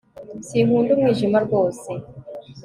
sinkunda umwijima rwose